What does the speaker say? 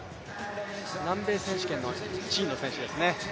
南米選手権１位の選手ですね。